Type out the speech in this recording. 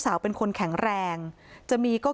อาบน้ำเป็นจิตเที่ยว